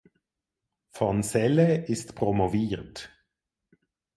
Von Selle ist promoviert.